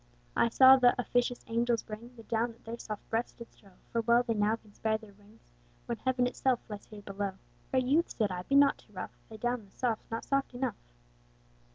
I saw th'officious angels bring, The down that their soft breasts did strow, For well they now can spare their wings, When Heaven itself lies here below. Fair youth (said I) be not too rough, Thy down though soft's not soft enough.